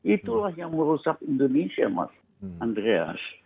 itulah yang merusak indonesia mas andreas